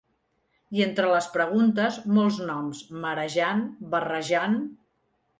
I entre les preguntes, molts noms; marejant, barrejant.